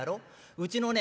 うちのね